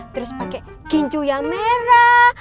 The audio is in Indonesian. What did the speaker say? terus pake ginjuyang merah